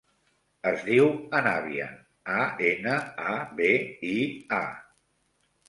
Es diu Anabia: a, ena, a, be, i, a.